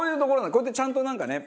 こうやってちゃんとなんかね。